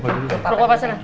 peluk papa sini